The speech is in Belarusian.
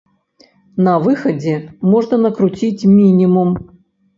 На выхадзе можна накруціць мінімум.